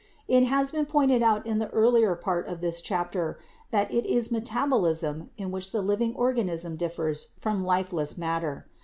It has been pointed out in the earlier part of this chapter that it is metabolism in which the living organism differs from lifeless matter.